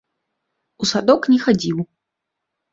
У садок не хадзіў.